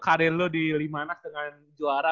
karir lu di lima anak dengan juara